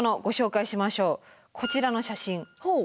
こちらの写真。